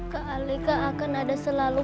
kak alika akan ada selalu